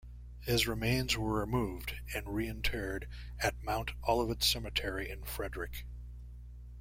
His remains were removed and re-interred at Mount Olivet Cemetery in Frederick.